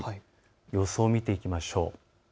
予想を見ていきましょう。